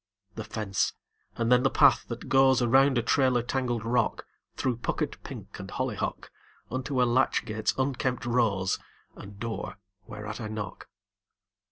The fence; and then the path that goes Around a trailer tangled rock, Through puckered pink and hollyhock, Unto a latch gate's unkempt rose, And door whereat I knock.